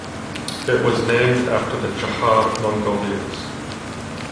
It was named after the Chahar Mongolians.